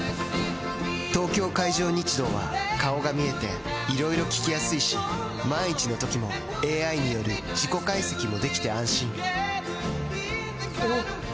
東京海上日動は顔が見えていろいろ聞きやすいし万一のときもＡＩによる事故解析もできて安心おぉ！